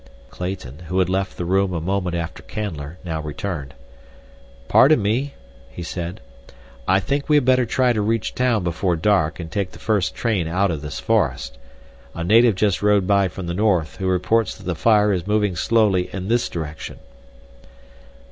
Clayton, who had left the room a moment after Canler, now returned. "Pardon me," he said. "I think we had better try to reach town before dark and take the first train out of this forest. A native just rode by from the north, who reports that the fire is moving slowly in this direction."